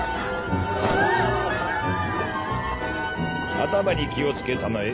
頭に気をつけたまえ